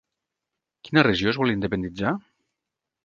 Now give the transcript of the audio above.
Quina regió es vol independitzar?